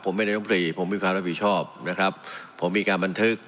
ผมเป็นนายมตรีผมมีความรับผิดชอบนะครับผมมีการบันทึก